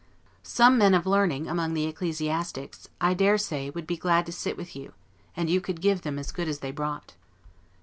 Some men of learning among the ecclesiastics, I dare say, would be glad to sit with you; and you could give them as good as they brought.